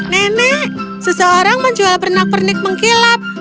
nenek seseorang menjual pernak pernik mengkilap